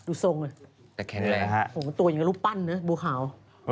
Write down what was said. ดูทรงกันแต่แข็งแรงอย่างรูปปั้นบูขาว